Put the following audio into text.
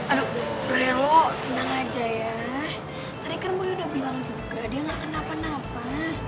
aduh bre lo tenang aja ya tadi kan boy udah bilang juga dia gak akan apa apa